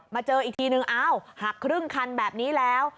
เจออีกทีนึงอ้าวหักครึ่งคันแบบนี้แล้ว